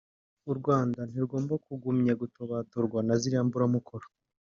urwanda ntirugomba kugumya gutobatobwa na ziriya mburamukoro